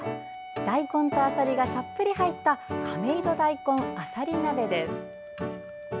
大根と、あさりがたっぷり入った亀戸だいこんあさり鍋です。